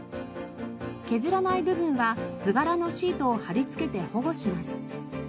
削らない部分は図柄のシートを貼り付けて保護します。